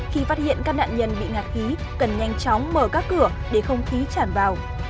khi phát hiện các nạn nhân bị ngạt khí cần nhanh chóng mở các cửa để không khí tràn vào